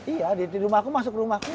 iya di rumahku masuk rumahku